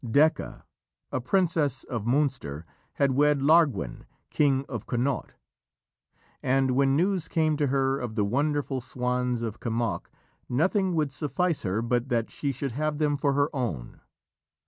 Decca, a princess of Munster, had wed Larguen, king of Connaught, and when news came to her of the wonderful swans of Kemoc, nothing would suffice her but that she should have them for her own.